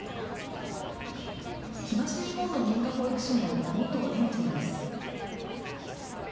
東日本の認可保育所の元園長です。